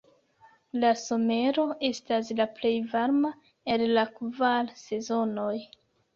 La somero estas la plej varma el la kvar sezonoj.